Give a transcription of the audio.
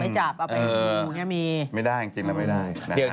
ไม่จับดูไม่ได้จริงแล้วไม่ได้